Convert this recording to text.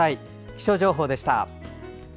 気象情報でした。